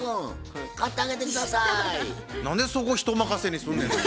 何でそこ人任せにすんねんな。